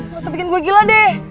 gak usah bikin gue gila deh